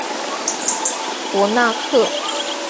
博纳克。